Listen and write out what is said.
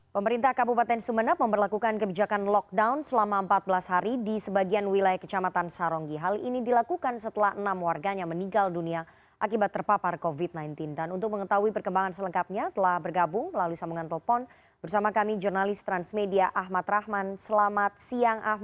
pemerintah kabupaten sumeneb memperlakukan kebijakan lockdown selama empat belas hari